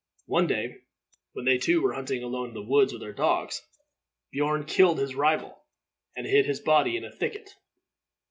One day, when they two were hunting alone in the woods with their dogs, Beorn killed his rival, and hid his body in a thicket.